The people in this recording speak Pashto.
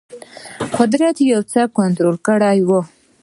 قدرت یو څه کنټرول کړی وو.